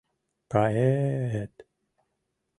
— Кае-эт...